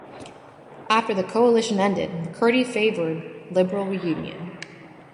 After the coalition ended, McCurdy favoured Liberal reunion.